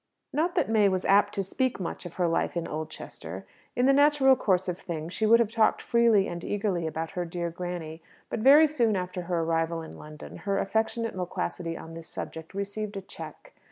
Not that May was apt to speak much of her life in Oldchester. In the natural course of things she would have talked freely and eagerly about her dear granny; but very soon after her arrival in London, her affectionate loquacity on this subject received a check.